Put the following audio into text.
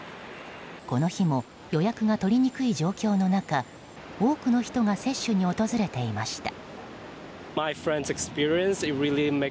この日も予約が取りにくい状況の中多くの人が接種に訪れていました。